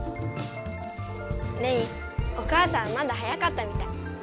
レイお母さんまだ早かったみたい。